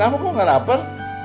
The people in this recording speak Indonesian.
kamu kok gak lapar